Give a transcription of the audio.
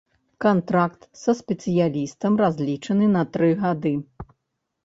Кантракт са спецыялістам разлічаны на тры гады.